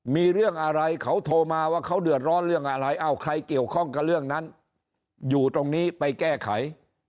มีเรื่องอะไรเขาโทรมาว่าเขาเดือดร้อนเรื่องอะไรเอ้าใครเกี่ยวข้องกับเรื่องนั้นอยู่ตรงนี้ไปแก้ไข